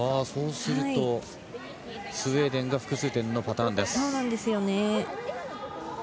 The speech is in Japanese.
そうするとスウェーデンが複数点のパターンです。